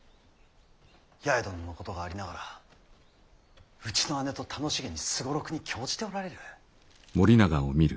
八重殿のことがありながらうちの姉と楽しげに双六に興じておられる。